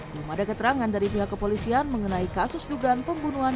belum ada keterangan dari pihak kepolisian mengenai kasus dugaan pembunuhan